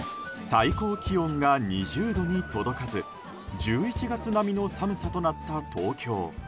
最高気温が２０度に届かず１１月並みの寒さとなった東京。